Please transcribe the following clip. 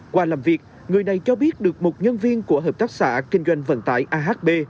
qua làm việc người này cho biết được một nhân viên của hợp tác xã kinh doanh vận tải ahb